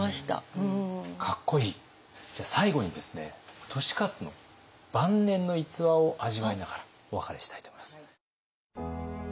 じゃあ最後にですね利勝の晩年の逸話を味わいながらお別れしたいと思います。